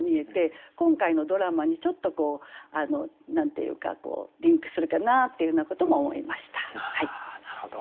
今回のドラマにちょっとリンクするかなっていうようなことも思いました。